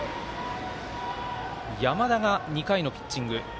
山田が２回のピッチング。